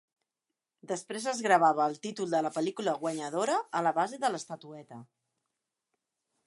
Després es gravava el títol de la pel·lícula guanyadora a la base de l'estatueta.